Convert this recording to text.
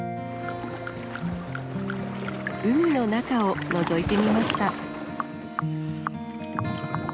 海の中をのぞいてみました。